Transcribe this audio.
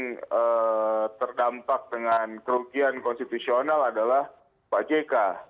yang terdampak dengan kerugian konstitusional adalah pak jk